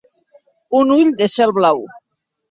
Un ull de cel blau.